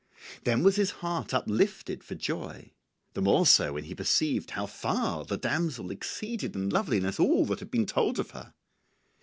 Then was his heart uplifted for joy, the more so when he perceived how far the damsel exceeded in loveliness all that had been told of her.